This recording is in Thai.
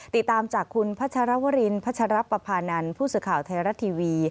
ติดตามจากคุณพัชรวรินพัชรปภานันทร์ผู้สื่อข่าวไทยรัฐทีวี